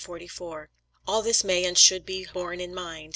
] All this may and should be borne in mind.